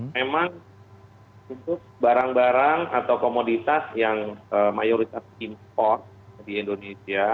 memang untuk barang barang atau komoditas yang mayoritas import di indonesia